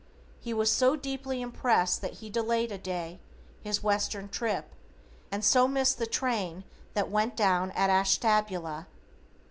He was so deeply impressed that he delayed a day, his western trip, and so missed the train that went down at Ashtabula.